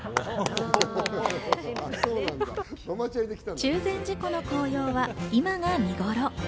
中禅寺湖の紅葉は今が見ごろ。